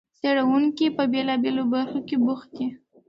څېړونکي په بېلابېلو برخو کې بوخت دي.